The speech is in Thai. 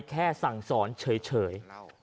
แค่สั่งสอนเฉย